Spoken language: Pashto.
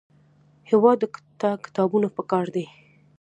هېواد ته کتابونه پکار دي